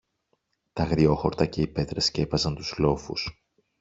Τ' αγριόχορτα και οι πέτρες σκέπαζαν τους λόφους